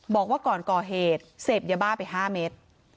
บอกว่าก่อนก่อเหตุเสพยาบ้าไป๕เมตร